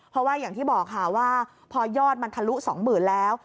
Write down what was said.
เพราะว่าอย่างที่บอกค่ะว่าพอยอดมันทะลุ๒๐๐๐แล้ว